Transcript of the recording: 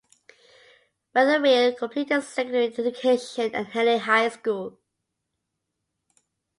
Weatherill completed his secondary education at Henley High School.